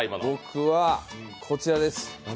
僕はこちらです